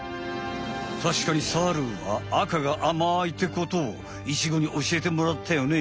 たしかにサルは赤があまいってことをイチゴにおしえてもらったよね？